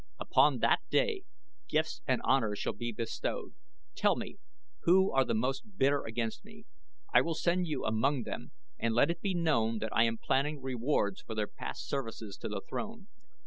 Upon that day gifts and honors shall be bestowed. Tell me, who are most bitter against me? I will send you among them and let it be known that I am planning rewards for their past services to the throne.